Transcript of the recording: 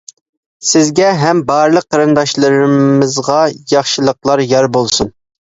سىزگە ھەم بارلىق قېرىنداشلىرىمىزغا ياخشىلىقلار يار بولسۇن!